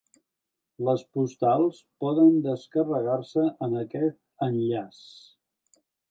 Les postals poden descarregar-se en aquest enllaç.